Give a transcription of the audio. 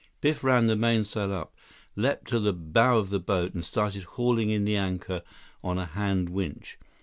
Biff ran the mainsail up, leaped to the bow of the boat, and started hauling in the anchor on a hand winch.